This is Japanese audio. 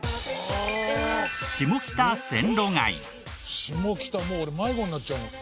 「下北もう俺迷子になっちゃう」